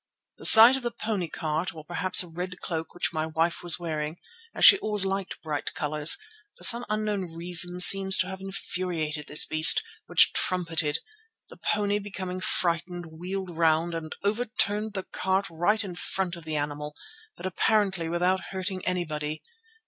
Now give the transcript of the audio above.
The sight of the pony cart, or perhaps a red cloak which my wife was wearing, as she always liked bright colours, for some unknown reason seems to have infuriated this beast, which trumpeted. The pony becoming frightened wheeled round and overturned the cart right in front of the animal, but apparently without hurting anybody.